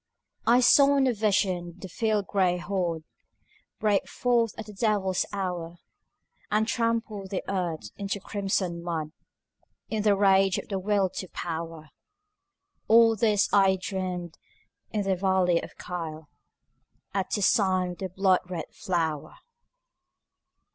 I saw in a vision the field gray horde Break forth at the devil's hour, And trample the earth into crimson mud In the rage of the Will to Power, All this I dreamed in the valley of Kyll, At the sign of the blood red flower.